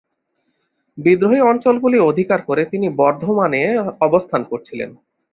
বিদ্রোহী অঞ্চলগুলি অধিকার করে তিনি বর্ধমানে অবস্থান করছিলেন।